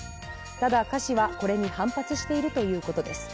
ただ柯氏は、これに反発しているということです。